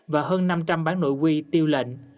và hơn năm trăm linh bản nội quy tiêu lệnh